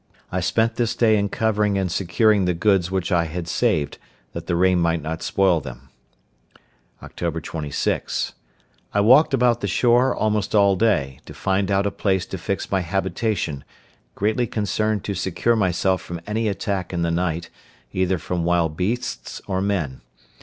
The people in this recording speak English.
I spent this day in covering and securing the goods which I had saved, that the rain might not spoil them. Oct. 26.—I walked about the shore almost all day, to find out a place to fix my habitation, greatly concerned to secure myself from any attack in the night, either from wild beasts or men.